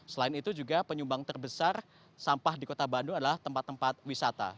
selain itu juga penyumbang terbesar sampah di kota bandung adalah tempat tempat wisata